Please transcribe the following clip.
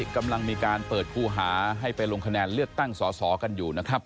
กำลังมีการเปิดคู่หาให้ไปลงคะแนนเลือกตั้งสอสอกันอยู่นะครับ